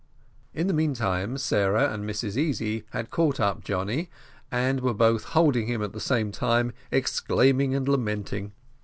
In the meantime Sarah and Mrs Easy had caught up Johnny, and were both holding him at the same time, exclaiming and lamenting.